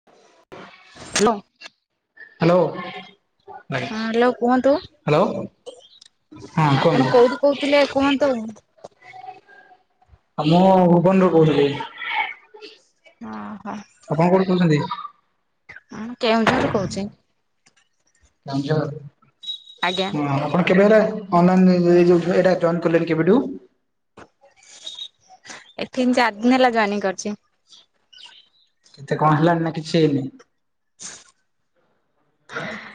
[unintelligible] ହା ଲୋ। ହାଲୋ ହଁ ହ୍ୟାଲୋ କୁହନ୍ତୁ ହାଲୋ ହଁ ଆପଣ କୁହନ୍ତୁ। କୋଉଠୁ କହୁଥିଲେ କୁହନ୍ତୁ। ଆ ମୁଁ ଭୁବନରୁୁ କହୁଥିଲି। ଅ ‌ହ। ଆପଣ କୋଉଠୁ କହୁଛନ୍ତି? ମୁଁ କେଉଁଝର ରୁ କହୁଛି। କେଉଁଝର ଆଜ୍ଞା। ହଁ ଆପଣ କେବେ ହେଲେ। ଅନଲାଇନ୍ ରେ ଏ ଯୋଉ ଏଇଟା ଜଏନ୍ କଲେଣି କେବେଠୁ। ଏ ତିନି ଚାର ଦିନ ହେଲା ଜଏନିଂ କରିଛି। କେତେ କଣ ହେଲାଣି ନା କିଛି ହେଇନି। ହ [inaudible] [unintelligible]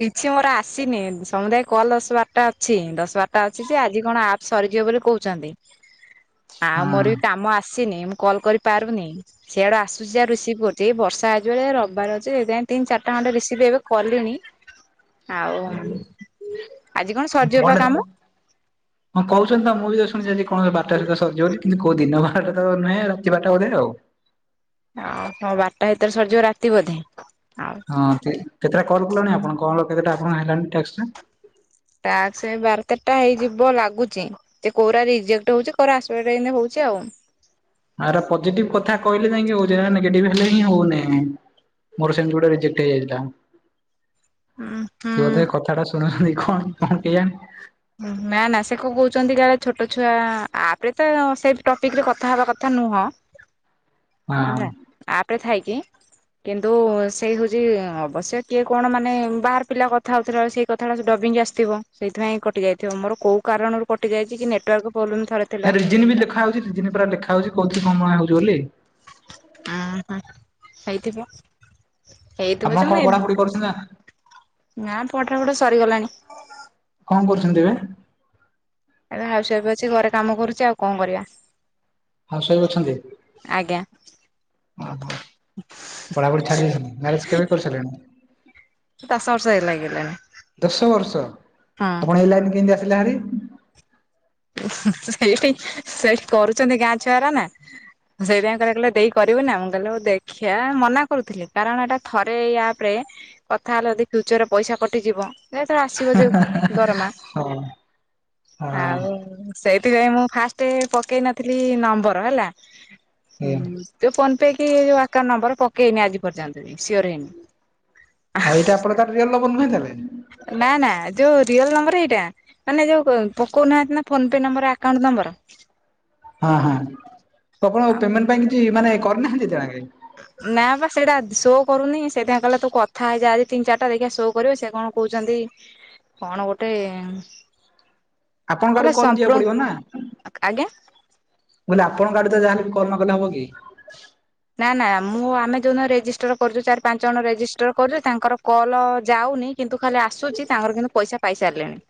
କିଛି ମୋର ଆସିନି ସମୁଦାୟ କଲ ଦଶ ବାରଟା ଅଛି ଦଶ ବାରଟା ଅଛି ଯେ ଆଜି କଣ ସରିଯିବ ବୋଲି କହୁଛନ୍ତି। [inaudible] ଆଉ ମୋର ବି ହଁ କାମ ଆସିନି, ମୁଁ କଲ୍ କରି ପାରୁନି। ସିଆଡେ ଆସୁଛି ଆ ରିସିଭ କରୁଛି, ଏ ବର୍ଷା ଆଜିଭଳିଆ ରବିବାର ଅଛି ତିନି ଚାରିଟା ଖଣ୍ଟେ ରିସିଭ ଏବେ କଲିଣି। ଆଉ ଆଜି ସରିଯିବ ପା କଣ ଟା କାମ ହଁ କହୁଛନ୍ତି ତ ମୁଁ ବି ତ ଶୁଣିଛନ୍ତି କଣ ବାରଟା ସ୍ଵଧା ସରିଯିବୁ ବୋଲିନ୍ତୁ କୋଉ ଦିନ ବାରଟା ତ ନୁହେ ରାତି ବାରାଟା ବଧେ ଆଉ। ଆଉ ହଁ ବାରଟା ଭିତରେ ସରିଯିବ ରାତି ବୋଧେ ଆଉ ହଁ କେତେଟା କଲ କଲାଣି ଆପଣ କଣ କେତେଟା ଆପଣ ହେଇଲାଣି ଟ୍ୟାକ୍ସଟା? ଟାସ୍କ ଏୟୀ ବାର ତେରଟା ହେଇଯିବ ଲାଗୁଚି। ସେ କୋରା ରିଜେକ୍ଟ ହଉଛି କୋଉରା ଆସପେକ୍ଟ ଟା ଏୟିନେ ହଉଛି ଆଉ। ଆର ପଜିଟିଭ କଥା କହିଲେ ଯାଇଁକି ହଉଛି, ନେଗେଟିଭ ହେଲେ ହିଁ ହଉନି। ମୋର ସେମତି ଗୋଟେ ରିଜେକ୍ଟ ହେଇଯାଇଥିଲା। ହୁଁ ହୁଁ। ସେ ବୋଧେ କଥା ଟା ଶୁଣୁଛନ୍ତି କଣ କଣ କେହି ଜାଣି ନା ନା ସେ କଣ କହୁଛନ୍ତି କି ଛୋଟ ଛୁଆ ଆପରେ ତ ସେଇ ଟପିକ ରେ କଥା ହବା କଥା ନୁହଁ। ହେଲା ହଁ ଆପରେ ଥାଇ କିି କିନ୍ତୁ ସେଇ ହଉଛି ଅବଶ୍ୟ କିଏ କଣ ମାନେ ବାହାର ପିଲା କଥା ହଉଥିଲା ବେଳେ ସେ ସଥାଳୋ ସେ ଡବିଙ୍ଗ୍ ଆସିଥିବ, ସେଇଥିପାଇଁ କଟିଯାଇଥିବ ମୋର କେଉ କାରଣରୁ କଟିଯାଇଛି କି ନେଟୱାର୍କ ପ୍ରୋବ୍ଲେମ୍ ଥରେ ଥିଲା ନା ରିଜିିନ ବି ଲେଖା ହଉଛିି ରିଜିିନ ପା ଲେଖା ହଉଛି କୋଉଥିରେ କଣ ମରାହାଉଛି ବୋଲି। ଓ ହୋ ହେଇଥିବ ହେଇଥିବ ଯେ ମୁଁ ଏ ପର୍ସନାଲ? ନା ପଠା ପଢ଼ା ସରିଗଲାଣି। କଣ କରୁଛନ୍ତି ଏବେ? ହେଲେ ହାଉସୱାଇଫ୍ ଅଛି ଘରେ କାମ କରୁଛି ଆଉ କଣ କରିବା। ହାଉସ୍ ୱଇଫ୍ ଅଛନ୍ତି? ଆଜ୍ଞା ଓହୋ, ପଢାପଢି ଛାଡି ଦେଇେଇଛନ୍ତି ମ୍ୟାରେଜ କେବେ? କରିସାରିଲେଣି? ଦଶ ବର୍ଷ ହେଇ ଲାଗିଲାଣି ଦଶ ବର୍ଷ, ହଁ ଆପଣ ଏଇ ଲାଇନ କେମିତି ଆସିଲେ ହାରି? ସେଇଠି ସେଇଠି କରୁଛନ୍ତି ଗାଁ ଛୁଆର ନା। ସେଇଥିପାଇଁ କହିଲେ କହିଲେ ଦେଇ କରିବୁ ନା? ମୁଁ କହିଲେ ଦେଖିବା ମନା କରୁଥିଲି କାରଣ ଏଟା ଥରେ ଏଇ ଆପ ରେ କଥା ହେଲେ ଯଦି ଫ୍ୟୁଚରରେ ପଇସା କଟିଯିବ ଏତର ଆସିବ ଯୋଉ ଦରମା ହଁ ହଁ ଆଉ ସେଇଥିପାଇଁ ମୁଁ ଫାଷ୍ଟ ପକେଇ ନଥିଲି ନମ୍ବର ହେଲା। ଏଇଆ। ଯୋଉ ଫୋନ ପେ କି ଯଉ ଆକାଉଣ୍ଟ ନମ୍ବର ପକେଇନି ଆଜି ପର୍ଯ୍ୟନ୍ତ, ସିଓର ହେଇନି। ଆଉ ଏଇଟା ଆପଣଙ୍କର ରିଅଲ ନମ୍ବର ନୁହେଁ ତାହେଲେ? ନା ନା ଯୋଉ ରିଅଲ ନମ୍ବର ଏଇଟା। ମାନେ ଯୋଉ ପକଉନାହାନ୍ତି ନା phone pay number account number. ହଁ ହଁ ତ ଆପଣ ଆଉ ପେମେଣ୍ଟ ପାଇଁ କିଛି ମାନେ କରିନାହାନ୍ତି ଏତେ ଯାଇକେ? ନା ବା ସେଇଟା ଶୋ କରୁନି, ସେଟା କଲେ ତୁ କଥାହେଇଜା ଆଜି ତିିନ ଚାରିଟା ଦେଖିବା ଶୋ କରିବ ସେ କଣ କହୁଛନ୍ତି କଣ ଗୋଟେ ଆପଣଙ୍କ ଆଡୁ କହିଲା କଲ ସମ୍ପ୍ର ଯିବାକୁ ପଡିବ ନା? ଆଜ୍ଞା ବୋଇଲେ ଆପଣଙ୍କ ଆଡେ ତ ଯାହାଲେ ବି କଲ ନ କଲେ ହବ କି? ନା ନା ମୁଁ ଆମେ ଯୋଉ ଦିନ ରେଜିଷ୍ଟର କରୁଛୁ ଚାରି ପାଞ୍ଚ ଜଣ ରେଜିଷ୍ଟର କରୁଛ ତାଙ୍କର କଲ୍ ଯାଉନି କିନ୍ତୁ ଖାଲି ଆସୁଛି ତାଙ୍କର କିନ୍ତୁ ପଇସା ପାଇସାରିଲେଣି।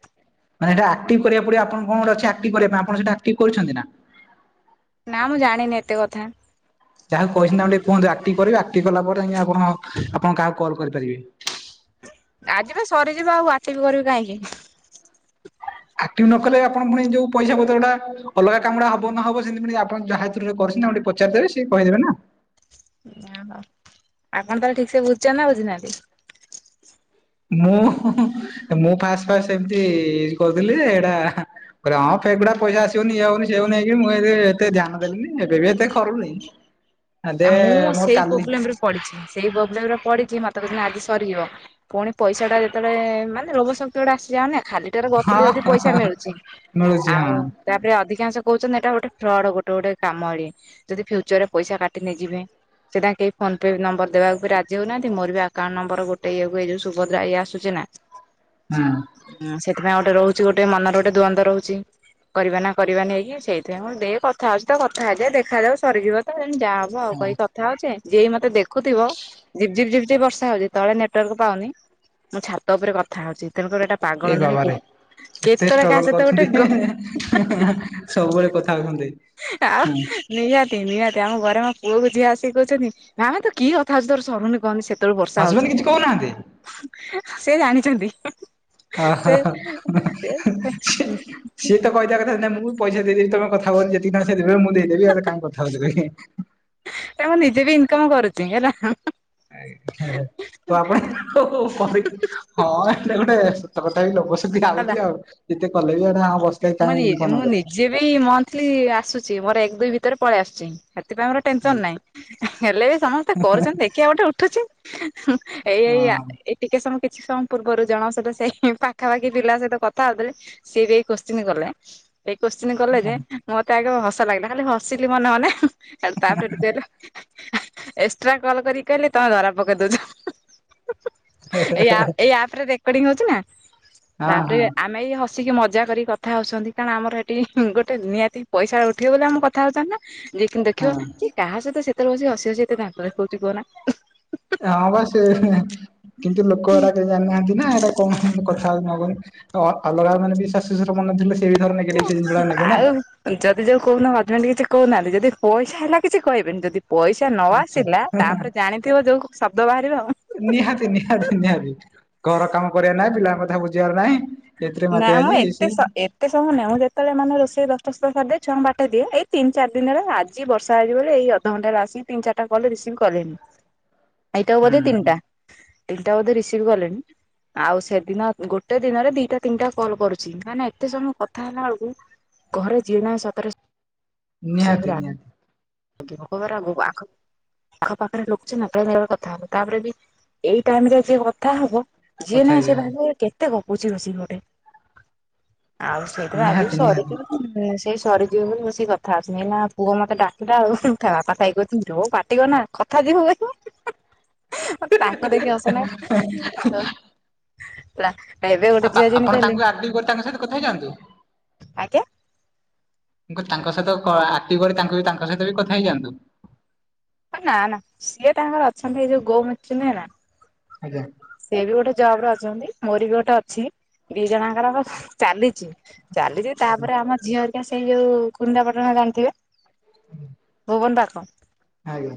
ମାନେ ଏଇଟା ଆକ୍ଟିଭ କରିବାକୁ ପଡିବ, ଆପଣ କଣ ଗୋଟେ ଅଛି, ଆକ୍ଟିଭ କରିବା ପାଇଁ ଆପଣ ସେଟା ଆକ୍ଟିଭ କରିଛନ୍ତି ନା? ନା ମୁଁ ଜାଣିନି ଏତେ କଥା। ଯାହାକୁ କହିଛନ୍ତି ତାଙ୍କୁ ଟିକେ କୁହନ୍ତୁ ଆକ୍ଟିଭ୍ କରିବେ ଆକ୍ଟିଭ୍ କଲା ପରେ ଯାଇଁକି ଆପଣ ଆପଣ କାହାକୁ କଲ୍ କରିପାରିବେ। ଆଜି ତ ସରିଯିବ ଆଉ ଆକ୍ଟିଭ୍ କରିବି କାହିଁକି। ଆକ୍ଟିଭ୍ ନ କଲେ ଆପଣ ପୁଣି ଯୋଉ ପଇସା ପତ୍ର ଟା ଅଲଗା କାମ ଟା ହବ ନ ହବ ସେମିତି ପୁଣି ଆପଣ ଯାହା ଥ୍ରୁ ରେ କରିଚନ୍ତି ତାଙ୍କୁ ଟିକେ ପ ପଚାରିଦେବେ ସେ କହିଦେବେ ନା। ଓହୋ। ଆପଣ ତାହଲେ ଠିକ୍ ସେ ବୁଝିଛନ୍ତି ନା ବୁଝିନାହାନ୍ତି? ମୁଁ ମୁଁ ଫାଷ୍ଟ ଫାଷ୍ଟ ସେମତି କରୁଥିଲି ଯେ ଏଇଟା କହିଲି ହଁ ସେଗୁଡା ପଇସା ଆସିବନି ଇଏ ହବନି ସିଏ ହବନି ହେଇକି ମୁଁ ଏ ଏତେ ଧ୍ୟାନ ଦେଲିିନି ଏବେ ବି ଏତେ କରୁନି। ଆ ଦେ ମୋର କାଲି ପଡିଚି ସେଇ ପ୍ରୋବ୍ଲେମ ରେ ପଡିଚି। ମତେ କହୁସନ୍ତି ଆଜି ସରିଯିବ। ପୁଣି ପଇସା ଟା ଯେତେବେଳେ ମାନେ ଲୋଭ ଶକ୍ତି ଗୋଟେ ଆସିଯାଉ ନା ଖାଲି ଟାରେ ହଁ ଗପିଲେ ଯଦି ହଁ ପଇସା ହଁ ମିଳୁଚି। ମିଳୁଛି ହଁ ଆଉ ତାପରେ ଅଧିକାଂଶ କହୁଛନ୍ତି ଏଇଟା ଗୋଟେ ଫ୍ରଡ ଗୋଟେ ଗୋଟେ କାମ ଡେ ଯଦି ଫ୍ୟୁଚର ରେ ପଇସା କା ଟି ନେଇଯିବେ। ସେଇଟା କେହି ଫୋନ୍ ପେ ନମ୍ବର ଦେବାକୁ ବି ରାଜ ହଉନାହାନ୍ତି। ମୋର ବି ଆକାଉଣ୍ଟ ନମ୍ବର ଗୋଟେ ଇଏକୁ ଏ ଯୋଉ ସୁଭଦ୍ରା ଇଏ ଆସୁଚି ନା। ହୁଁ। ହୁଁ। ସେଥିପାଇଁ ଗୋଟେ ରହୁଚି ଗୋଟେ ମନରେ ଗୋଟେ ଦ୍ୱନ୍ଦ ରହୁଚି। କରିବା ନା କରିବା ନେଇକି ସେଇଥିପାଇଁ। ମୁଁ କହିଲି ଦେ କଥା ହଉଚି ତ କଥା ହେଇଯାଏ ଦେଖାଯାଉ ସରିଯିବ ତ ତେଣୁ ଯାହା ହବ ଆଉ ହଁ। କହି କ କଥା ହଉଚେ ଯିଏ ବି ମତେ ଦେଖୁଥିବ ଝିପ୍ ଝିପ୍ ବର୍ଷା ହଉଚି ତଳେ ନେଟୱାର୍କ ପାଉନି ମୁଁ ଛାତ ଉପରେ କଥା ହଉଚି। ତେଣୁକରି ଏଟା ଏ ପାଗଳ। ବାବାରେ [unintelligible] ଏତେ କାହା ଷ୍ଟ୍ରଗଲ ସହିତ ଗୋଟେ ଗ କରୁଛନ୍ତି। ସବୁବେଳେ କଥା ହଉଛନ୍ତି। ଆଉ। ହୁଁ ନିହାତି ନିହାତି। ଆମ ଘରେ ମୋ ପୁଅକୁ ଝିଅ ଆସି କହୁଛନ୍ତି ମାମା ତୁ କି କଥା ହଉଚୁ ତୋର ଶରୁନି କହନି। ସେ ସେତେବେଳୁ ବର୍ଷା ହଜବେଣ୍ଡ ହଉଚି। କିଛି କହୁନାହାନ୍ତି ସେ ଜାଣିଛନ୍ତି। ଅ ହ ସେ ହ। ସେ ସିଏ ତ କହିଦେବା କଥା ନା ମୁଁ ପଇସା ଦେଇଦବି ତମେ କଥା ହୁଅନି ଯେତିକି ସେ ଦେବେ ମୁଁ ଦେଇଦେବି କାଇଁ କଥାହଉଚ କହିବେ। ଏଟା ମୁଁ ନିଜେ ବି ଇନକମ୍ କରୁଚି। ଏରା ତ ଆପଣ [unintelligible] ହଁ ଏଟା ଗୋଟେ ସତ କଥା ବି ଲୋଭ ବି ହେଲା ଲାଗୁଚି ଆଉ। ଯେତେ କଲେ ବି ଏଟା ବସିଥିବ କାଇଁ ଇନକମ୍ ନକରିବା। ଇଏ ବି ମନ୍ଥଲି ଆସୁଚି। ମୋର ଏକ ଦୁଇ ଭିତରେ ପଳେଇ ଆସୁଚି। ହେଥିପାଇଁ ମୋର ଟେନସନ୍ ଆଜ୍ଞା ନାଇଁ। ହେଲେ ବି ସମସ୍ତେ କରୁଛନ୍ତି ଦେଖିବା ଗୋଟେ ଉଠୁଛି। ଏଇ ଏଇ ଆ ହଁ। ଏଇ ଟିକେ ସମୟ କିଛି ସମୟ ପୂର୍ବରୁ ଜଣ ସହିତ ସେଇ ପାଖାପାଖି ପିଲା ସହିତ କଥା ହଉଥିଲି। ସିଏ ବି ଏଇ କୋଶ୍ଚିନ୍ କଲେ। ଏଇ କୋଶ୍ଚିିନ କଲେ ଯେ ମତେ ଆଗ ହସ ଲାଗିଲା। ଖାଲି ହସିଲି ମନେ ମନେ। ହେଠୁ ତାପରେ। [unintelligible] ଏକ୍ସଟ୍ରା କଲ୍ କରିକି କହିଲେ ତମେ ଧରା ପକେଇ ଦଉଚ। ଏଇ ଆ ଏଇ ଆପରେ ରେକର୍ଡି ହଉଚି ନା, ହଁ ତାପରେ ହଁ ଆମେ ଏଇ ହ ସିକି ମଜା କରିକି କଥା ହଉଛନ୍ତି କାରଣ ଆମର ଏଠି ଗୋଟେ ନିହାତି ପଇସା ଉଠିବ ବୋଲି ଆମେ କ କଥା ହଉଛନ୍ତି ନା। ଯିଏ କିନ୍ତୁ ଦେଖିବ ହଁ। ଇଏ କାହା ସହିତ ସେତେବେଳୁ ବସି ହସି ହସି ଏତେ ଦାନ୍ତ ଦେଖଉଚି କୁହନା। ନା ବା ସେ କିନ୍ତୁ ଲୋକ ଗୁରା କେହି ଜାଣିନାହାନ୍ତି ନା, ଏଇଟା କଣ କଥା ହଉଚି। [unintelligible] ତ ଅଲଗା ମାନେ ବି ଶାଶୁଶଶୁର ମାନେ ଥିଲେ ସେ ବି ଧର ନେଗେଟିଭ୍ ସେ ଜିନିଷ ଟା କୁ ନେବେ ନା। ଆଉ ଯଦି ଯୋଉ କହୁନ ହଜବେଣ୍ଡ କିଛି କହୁନାହାନ୍ତି ଯଦି ପଇସା ହେଲା କିଛି କହିବେନି। ଯଦି ପଇସା ନ ଆଚ୍ଛା ଆସିଲା ତାପରେ ଜାଣିଥିବ ଯୋଉ ଶବ୍ଦ ବାହାରିବ। ନିହାତି ନିହାତି ନିହାତି। ଘର କାମ କରିବାର ନାହିଁ ପିଲାଙ୍କ କଥା ବୁଝିବାର ନାହିଁ ଏଥିରେ ନା ମାତିଆ ମୁଁ ହେଇଚି ଇଏ ଏତେ ସିଏ ସ ଏ ଏତେ ସମୟ ନୁହେଁ। ମୁଁ ଯେତେବେଳେ ମାନେ ରୋଷେଇ ଦଶଟା ସୁଦ୍ଧା ସାରିଦେଇ ଛୁଆଙ୍କୁ ବାଟେଇ ଦିଏ, ଏଇ ତିନି ଚାରି ଦିନ ହେଲା ଆଜି ବର୍ଷା ହେଇଚି ବୋଲି ଏଇ ଅଧ ଘଣ୍ଟା ହେଲା ଆସିକି ତିନି ଚାରିଟା କଲ୍ ରିସିଭ୍ କଲିଣି। [inaudible] ଏଇଟାକୁ ବୋଧେ ତିନିଟା। ତିନିଟା ବୋଧ ରିସିଭ୍ କଲେଣି ଆଉ ସେଦିନ ଗୋଟେ ଦିନରେ ଦିଟା ତିନିଟା କଲ୍ କରୁଛି ମାନେ ଏତେ ସମୟ କଥା ହେଲା ଅଳକୁ ଘରେ ଯିଏ ନାଇଁ ସତରେ ନିହାତି ନିହାତି। [unintelligible] ଆଖକୁ। ଆଖ ପାାଖରେ ଲୋକଚୀନା ତୁ ଧର କଥା ହେଲୁ ତାପରେ ବି ଏଇ ଟାଇମ୍ ରେ ଯିଏ କଥା ହବ ଯିଏ କଥା ନାଇଁ ସିଏ ହେଇଯିବା ଭାବିବ ଇଏ କେତେ ଗପୁଛି ବସିକି ଗୋଟେ ଆଉ? ସେଇଥିରେ ଆଜି ବି ନିହାତି ନିହାତି। ସରିଯିବ ଯେ ସେଇ ସରିଯିବ ବୋଲି ବଶିକି କଥା ହଉଚି ଏଇନା ପୁଅ ମୋତେ ଡା ସେଟା ଆଉ ତା ବାପା ଥାଇ କହୁଛନ୍ତି ର ପାଟି କରନା କଥା [unintelligible] ତାଙ୍କ ଦେଖି ହସ ନାଗେ ଆଉ। ହେଲା ଏବେ ଗୋଟେ ଆପା ଝିଅ ଆପଣ ଯେମିତି କହିଲେ ତାଙ୍କୁ ଆକ୍ଟିଭ କରି ତାଙ୍କ ସହିତ କଥା ହେଇଯାଆନ୍ତୁ। ଆଜ୍ଞା? ମୁଁ କହିଲି ତାଙ୍କ ସହିତ କ ଆକ୍ଟିଭ୍ କରି ତାଙ୍କୁ ବି ତାଙ୍କ ସହିତ ବି କଥା ହେଇଯାଆନ୍ତୁ। ଅ ନା ନା ସିଏ ତାଙ୍କର ଅଛନ୍ତି ଏଇ ଯୋଉ ଗୋ ମିଚି ନୁହେଁ ନା? ଆଜ୍ଞା। ସେ ବି ଗୋଟେ ଜବ୍ ରେ ଅଛନ୍ତି ମୋର ବି ଗୋଟେ ଅଛି ଦି ଜଣାଙ୍କର ଆମର ଚାଲିଛି। ଚାଲିଛି ତାପରେ ଆମ ଝିଅ ହେରୀକା ସେଇ ଯୋଉ କୁନିନ୍ଦା ପାଟଣା ଜାଣିଥିବେ? କୁନ୍ଦା କ? ଆଜ୍ଞା।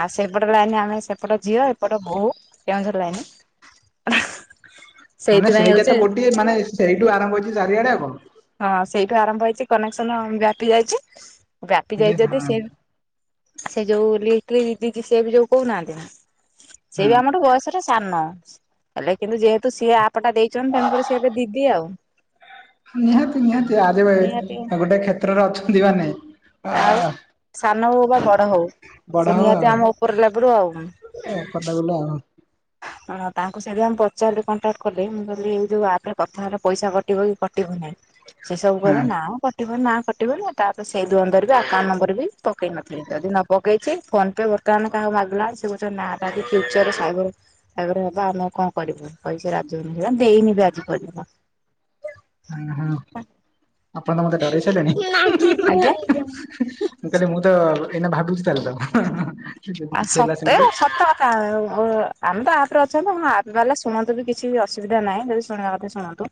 ଆଉ ସେପଟ ଲାଇନ୍ ଆମେ ସେପଟ ଝିଅ ଏପଟ ବୋହୁ। ଲାଇନି ହେଁ। ମାନେ ସେଇଟା ତ ଗୋଟିଏ ମାନେ ସେଇଠୁ ଆରମ୍ଭ ହେଇଚି ଚାରିଆଡେ ଆଉ କଣ। ହଁ ସେଇଠୁ ଆରମ୍ଭ ହେଇଛି କନେକ୍ସନ ବ୍ୟାପି ଯାଇଛି ବ୍ୟାପି ଯେ ଯାଇଛି ଯଦି ହଁ ସି ସେ ଯୋଉ ଲିିତିଲି ଦିଦି କି ସେ ବି ଯୋଉ କହୁ ନାହାଁନ୍ତି ନା ହଁ ସେ ବି ଆମଠୁ ବୟସ ସେଟା ସାନ ହେଲେ କିନ୍ତୁ ଯେହେତୁ ସିଏ ଆପଟା ଦେଇଛନ୍ତି ତେଣୁକରି ସିଏ ଏବେ ଦିଦି ଆଉ। ନିହାତି ନିହାତି ଆଜିବି ନିହାତି ଗୋଟେ କ୍ଷେତ୍ରରେ ଅଛନ୍ତି ମାନେ ଆ ଆଉ ସାନ ହଉ ବା ବଡ ହଉ ସେ ନିହାତି ଆମ ଉପର ଲେବୁଲୁ ଆଉ। ଏ ରଛାଟା ଗଲା ଆଉ। ହଁ ତାଙ୍କୁ ସେଇଥିପାଇଁ ମୁଁ ପଚାରିଲି କଣ୍ଟାକ୍ଟ କଲି ମୁଁ କହିଲି ଏଇ ଯୋଉ ଆ ପ୍ରେ କଥା ହେଲେ ପଇସା କଟିବ କି କଟିବ ନାହିଁ। ସେ ସବୁ କହିଲେ ନାଁ ମ କ କଟିବ ନା କଟିବ ନି ତାପରେ ସେଇ ଦ୍ୱନ୍ଦରେ ବି ଆକାଉଣ୍ଟ ନମ୍ବର ବି ପକେଇ ନଥିଲି ଯଦି ନ ପକେଇଛି ଫୋନ୍ ପେ ବର୍ ବର୍ତ୍ତମାନ କାହାକୁା ମାଗିଲା ଆଳୁକୁ ସେ କହୁଛନ୍ତି ନା ଏଟା ଯଦି ଫ୍ୟୁଚରରେ ସାଇବର୍ ସାଇବର୍ ହବ ଆମେ ଆଉ କଣ କରିବୁ କହି ସେ ରାଜିହଉନି ସେ ଦେଇନି ବି ଆଜି ପର୍ଯ୍ୟନ୍ତ। ହୁଁ ହୁଁ ଆପଣ ତ ମତେ ଡରେଇ ସାରିଲେଣି ହୁଁ ହୁଁ ହେଁ ଆଜ୍ଞା। ମୁଁ କହିଲି ମୁଁ ତ ଏଇନେ ଭାବୁଛି ତାଲେ ତାକୁ। ଆଉ ସତେ ସତ [unintelligible] ଆମେ ତ ଆପ୍ ରେ ଅଛନ୍ତି ହଁ ଆପ୍ ବାଲା ଶୁଣନ୍ତୁ ବି କିଛି ବି ଅସୁବିଧା ନାହିଁ ଯଦି ଶୁଣିବା କଥା ଶୁଣନ୍ତୁ।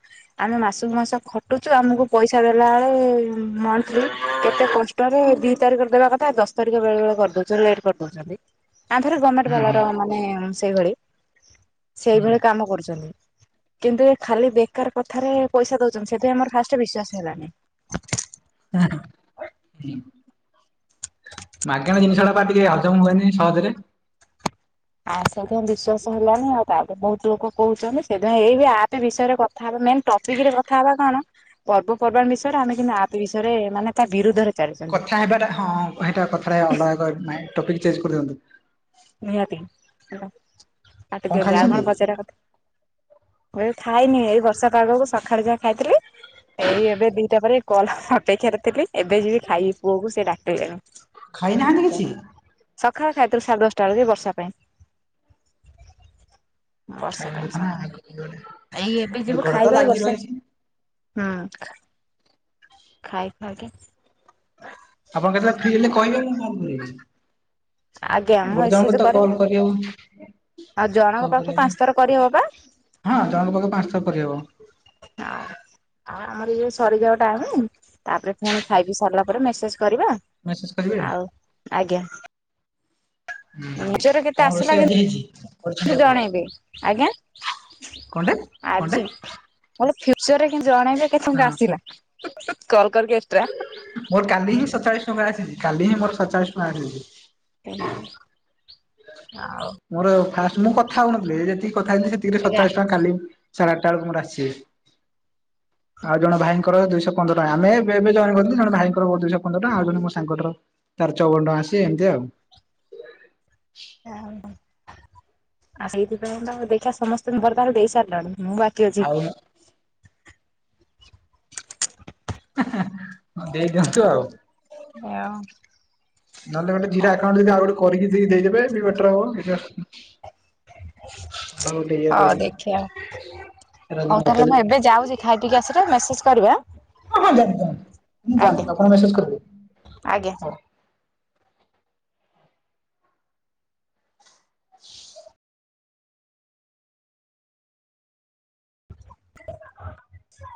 ଆମେ ମାସୁକୁ ମାସ ଖଟୁଛୁ ଆମକୁ ପଇସା ଦେଲା ଅଳୁ ମ ଲି କେତେ କଷ୍ଟରେ ଦି ତାରିଖରେ ଦେବା କଥା ଦଶ ତାରିଖ ବେଳେ ବେଳେ କରିଦଉଚ ଲେଟ୍ କରିଦଉଛନ୍ତି। ଆ ଥରେ ଗମେଣ୍ଟ ହୁଁ ହୁଁ ବାଲାର ମାନେ ସେଇଭଳି ହୁଁ ସେଇଭଳି କାମ କରୁଚନ୍ତି। କିନ୍ତୁ ଏ ଖାଲି ବେକାର କଥାରେ ପଇସା ଦଉଚନ୍ତି ସେଥିପାଇଁ ମୋର ଫାଷ୍ଟ୍ ବିଶ୍ୱାସ ହେଲାନି। ହଁ ହୁଁ ହୁଁ ମାଗେଣା ଜିନିଷ ଟା ପା ଟିକେ ଅ ହଜମ୍ ହୁଏନି ସହଜରେ। ଆ ସେଇଥିପାଇଁ ବିଶ୍ଵାସ ହେଲାନି ଆଉ ତାପରେ ବୋହୁତ ଲୋକ କହୁଚନ୍ତି ସେଇଥିପାଇଁ ଏଇ ବି ଆପ୍ ବିଷୟରେ କ କଥା ହବା ମେନ୍ ଟପିକ୍ ରେ କଥା ହବା କଣ? ପର୍ବପର୍ବାଣି ବିଷୟରେ ଆମେ କିନ୍ତୁ ଆପ୍ ବିଷୟରେ ମାନେ ତା ବିରୁଦ୍ଧରେ ଚାଲିଛନ୍ତି କଥା ହେବାଟା ହଁ ହେଟା କଥାଟା ଅଲଗା କ ନାଇଁ ଟପିକ୍ ଚେଞ୍ଜ କରିଦିଅନ୍ତୁ। ନିହାତି ହେଲା କାଟି ଦିଅନ୍ତୁ ଆଉ କଣ ପଚାରିବା କଥା ବେଳୁ ଖାଇନି ଏଇ ବର୍ଷା ପାଗକୁ ସଖାଳେ ଯା ଖାଇଥିଲି। ଏଇ ଏବେ ଦିଟା ପରେ କଲ୍ ହପେକ୍ଷାରେ ଥିଲି ଏବେ ଯିବି ଖାଇ ପୁଅକୁ ସେ ଡାକିଲେଣି। ଖାଇ ନାହାଁନ୍ତି କିଛି? ସଖାଳେ ଖାଇଥିଲୁ ସାଢେ ଦଶଟା ବେଳେ ଯେ ବର୍ଷା ପାଇଁ। ବର୍ଷା ଖାଇବା ପାଇଁ କଥା ନା ସାକା, ଏଇ ଏବେ ଏ ଯିବୁ ଗୋଡ ତ ଖାଇବା ଏଇ ଲାଗି ବର୍ଷା। ରହିଛି ହୁଁ ଖାଇଖୁଆ କି ଆପଣ କେତେବେଳେ ଫ୍ରି ହେଲେ କଇବେ ମୁଁ କଲ୍ କରିବି। ଆଜ୍ଞା ମୁଁ ଗୋଟେ ଆଡକୁ ଏସେଜ ତ କରିବି କଲ୍ କରି ହବନି। ଆଉ ଜଣଙ୍କ ହଁ ପାଖକୁ ପାଞ୍ଚ ଥର କରିହବ ବା ଜଣଙ୍କ ପାଖକୁ ପାଞ୍ଚ ଥର କରିହେବ। [inaudible] ଆ ଆମର ଇଏ ସରିଯାଉ ଟାଇମିଙ୍ଗ ତାପରେ ପୁଣି ଖାଇପିଇ ସାରିଲା ପରେ ମେସେଜ୍ କରିବା। ମେସେଜ କରିବେ। ଆଉ ଆଜ୍ଞା। ହୁଁ, ନିଜର କେତେ କଣ ଆସିଲା ରୋଷେଇ ଆଜି ହେଇଚି କିନ୍ତୁ କରିଛନ୍ତି ଆପଣ? ଜଣେଇବେ ଆଜ୍ଞା କଅଁଟେ, କଅଁଟେ? ଆଲୋ ଫ୍ଲିପକାର୍ଟରେ [unintelligible] ଜଣେଇବେ କେତେ ଟଙ୍କା ଆସିଲା, କଲ୍ କରିକି ଏକ୍ସଟ୍ରା। ମୋର କାଲି ହିଁ ସତଚାଳିଶ ଟଙ୍କା ଆସିଛି କାଲି ହିଁ ମୋର ସତଚାଳିଶ ଟଙ୍କା ଆସିଛି। ହୁଁ ହୁଁ ଆଉ। ମୋର ଫାଷ୍ଟ୍ ମୁଁ କଥା ହଉନଥିଲି ଏଇ ଯେତିକି କଥା ହେଇଥିଲି ସେତିକିରେ ଆଜ୍ଞା ସତଚାଳିଶି ଟଙ୍କା କାଲିି ସାଡେ ଆଠଟା ବେଳକୁ ମୋର ଆସିଯାଇଚି, ଆଉ ଜଣେ ଭାଇଙ୍କର ଦୁଇଶହ ପନ୍ଦର ଟଙ୍କା ଆମେ ଏବେ ଏବେ ଜଏନ୍ କରିଥିଲୁ ଜଣେ ଭାଇଙ୍କର [unintelligible] ଦୁଇଶ ପନ୍ଦର ଟଙ୍କା ଆଉ ଜଣେ ମୋ ସାଙ୍ଗଟାର ତାର ଚଉବନ ଟଙ୍କା ଆସିଚି ଏମିତି ଆଉ। ଯା ହଉ ହଉ, ଆ ସେଇଥିପାଇଁ ତ ଦେଖିଆ ସମସ୍ତୁଙ୍କୁ ବର୍ ଦାର୍ ଦେଇସାରିଲାଣି ମୁଁ ବା ବାକି ଅଛି। ଆଉ [inaudible] ହେଁ ହେଁ ବ୍ଦ ହଁହଁହଁ ୟୟ୍ଯଇମଡହତ୍ତଥ୍ରଭ୍ରଦେଇଦିଅନ୍ତୁ ଆଉ ଏ ଆଉ ନହେଲେ ଗୋଟେ ଜିରୋ ଆକାଉଣ୍ଟ ଯଦି ଆଉ ଗୋଟେ କରିକି ଦେଇ ଦେଇଦେବେ ବି ବେଟର୍ ହବ କିଛି ଅସୁ ଅ ଦେଖିଆ, ସେଟା ଯଦି ହଉ ତାହେଲେ ନଦେବେ ମୁଁ ଏବେ ଯାଉଚି। ଖାଇ ପିଇକି ଆସିଲେ ମେସେଜ୍ କରିବ ଅଁ? ହଁ ହଁ ଯାଆନ୍ତୁ ଯାଆନ୍ତୁ, ଯାଆନ୍ତୁ ଆପଣ ମେସେଜ୍ କରିଦେବେ। ଆଜ୍ଞା। [inaudible]